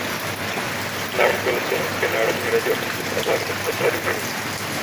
Návrh byl v Slovenské národní radě odmítnut a vláda tak ztratila důvěru.